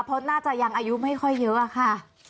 เพราะน่าจะยังอายุไม่ค่อยเยอะค่ะ